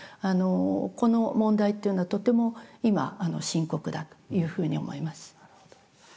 あのこの問題っていうのはとても今深刻だというふうに思います。